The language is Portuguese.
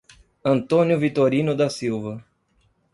Antônio Vitorino da Silva